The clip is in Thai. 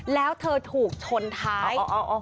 แล้วถูกชนท้าย